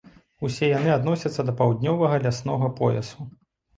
Усе яны адносяцца да паўднёвага ляснога поясу.